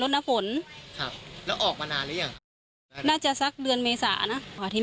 รถน้าฝนแล้วออกมานานหรือยังน่าจะสักเดือนเมศน่ะที่